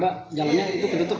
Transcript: bagaimana jalannya itu tertutup